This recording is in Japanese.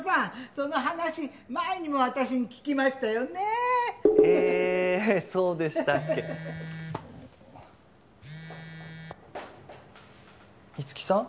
その話前にも私に聞きましたよねえそうでしたっけ五木さん？